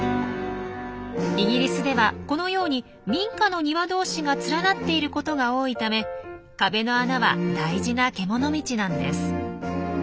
イギリスではこのように民家の庭同士が連なっていることが多いため壁の穴は大事な獣道なんです。